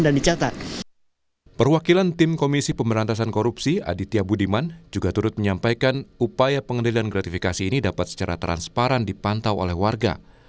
perwakilan tim komisi pemberantasan korupsi aditya budiman juga turut menyampaikan upaya pengendalian gratifikasi ini dapat secara transparan dipantau oleh warga